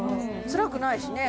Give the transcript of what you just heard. つらくないしね